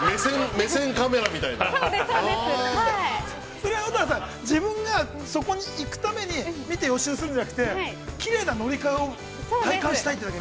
◆それは乙葉さん、自分がそこに行くために見て予習するんじゃなくて、きれいな乗りかえを体感したいだけ？